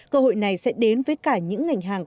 cơ hội này sẽ đến với cả những ngành hàng